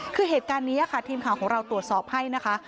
คือเหตุการณ์นี้ค่ะทีมข่าวของเราตรวจสอบให้นะคะ